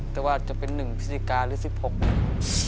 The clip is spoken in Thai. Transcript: แต่ว่าจะเป็น๑พฤศจิกายน๑๖